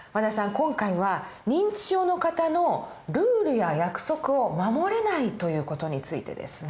今回は認知症の方のルールや約束を守れないという事についてですね。